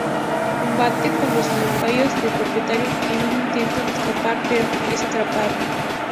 Combate con los lacayos del propietario en un intento de escapar pero es atrapado.